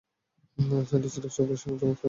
স্থানটি ছিল সবুজ-শ্যামল এবং চমৎকার।